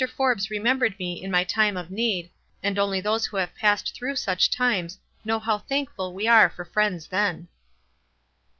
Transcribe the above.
Forbes remembered me in my time of need, and only those who have passed through such times know how thankful we are for friends then."